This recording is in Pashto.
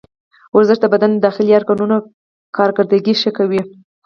ورزش د بدن د داخلي ارګانونو کارکردګي ښه کوي.